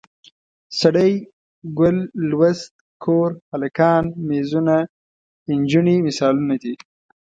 سړی، ګل، لوست، کور، هلکان، میزونه، نجونې مثالونه دي.